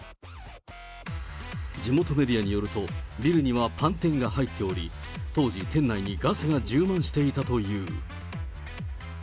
地元メディアによると、ビルにはパン店が入っており、当時、店内にガスが充満していたという。